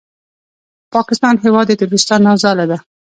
پاکستان هېواد د تروریستانو ځاله ده!